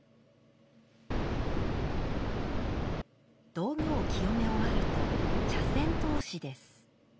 道具を清め終わると茶筅通しです。